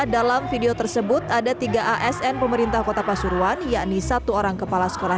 dalam video tersebut ada tiga asn pemerintah kota pasuruan yakni satu orang kepala sekolah